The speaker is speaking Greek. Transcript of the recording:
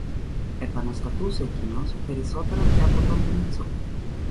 Επαναστατούσε κείνος περισσότερο και από τον Μήτσο